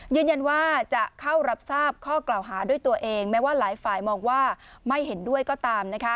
ยืนยันว่าจะเข้ารับทราบข้อกล่าวหาด้วยตัวเองแม้ว่าหลายฝ่ายมองว่าไม่เห็นด้วยก็ตาม